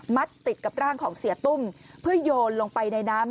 ติดกับร่างของเสียตุ้มเพื่อโยนลงไปในน้ำ